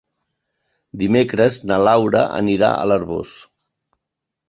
Dimecres na Laura anirà a l'Arboç.